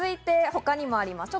他にもあります。